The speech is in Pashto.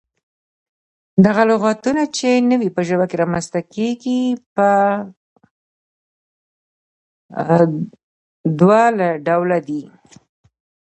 دغه لغتونه چې نوي په ژبه کې رامنځته کيږي، پۀ دوله ډوله دي: